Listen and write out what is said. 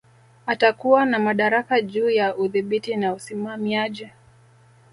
Atakuwa na madaraka juu ya udhibiti na usimamiaji